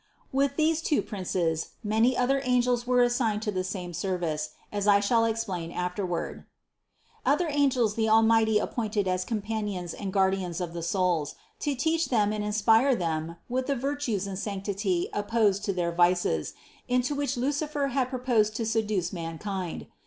With these two princes, many other an gels were assigned to the same service, as I shall explain afterward (Nos. 201 206). Other angels the Almighty appointed as companions and guardians of the souls, to teach them and inspire them with the virtues and sanc tity opposed to the vices, into which Lucifer had pro posed to seduce mankind.